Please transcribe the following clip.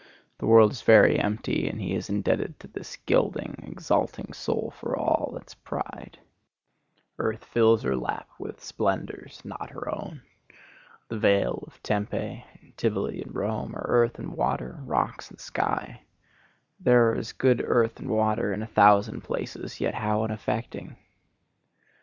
The world is very empty, and is indebted to this gilding, exalting soul for all its pride. "Earth fills her lap with splendors" not her own. The vale of Tempe, Tivoli and Rome are earth and water, rocks and sky. There are as good earth and water in a thousand places, yet how unaffecting!